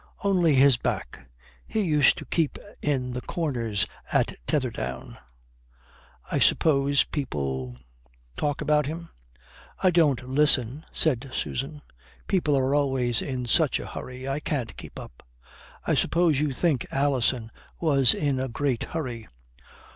"Only his back. He used to keep in the corners at Tetherdown." "I suppose people talk about him." "I don't listen," said Susan, "People are always in such a hurry. I can't keep up." "I suppose you think Alison was in a great hurry."